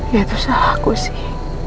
ya itu salah aku sih